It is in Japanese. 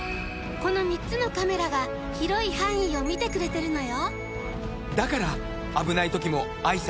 この３つのカメラが広い範囲を見てくれてるのよ！